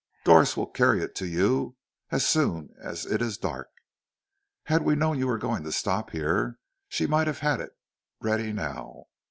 "Doris will carry it to you as soon as it is dark. Had we known you were going to stop here, she might have had it ready now.